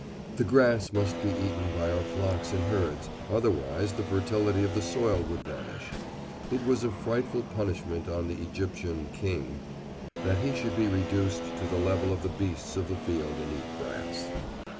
The grass must be eaten by our flocks and herds, otherwise the fertility of the soil would vanish. It was a frightful punishment on the Egyptian King that he should be reduced to the level of the beasts of the field and eat grass."